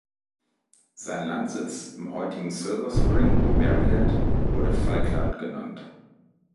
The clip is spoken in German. Sein Landsitz im heutigen Silver Spring, Maryland wurde "Falkland" genannt.